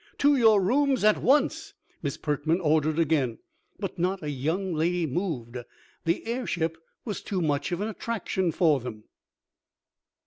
"To your rooms at once!" Miss Perkman ordered again, but not a young lady moved. The airship was too much of an attraction for them.